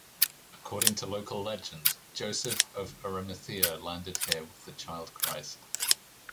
According to local legend, Joseph of Arimathea landed here with the child Christ.